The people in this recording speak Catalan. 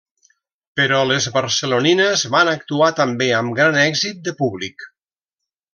Però les barcelonines van actuar també amb gran èxit de públic.